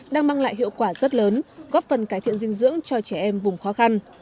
đang mang lại hiệu quả rất lớn góp phần cải thiện dinh dưỡng cho trẻ em vùng khó khăn